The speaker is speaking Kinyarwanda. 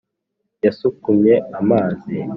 Yasukumye amazi